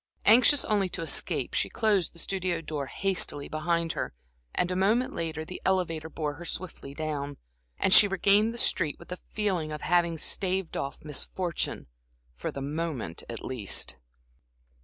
Anxious only to escape, she closed the studio door hastily behind her, and a moment later the elevator bore her swiftly down, and she regained the street, with the feeling of having staved off misfortune, for the moment at least.